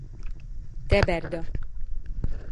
Te berda.